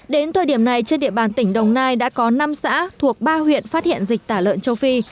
đến thời điểm này trên địa bàn tỉnh đồng nai đã có năm xã thuộc ba huyện phát hiện dịch tả lợn châu phi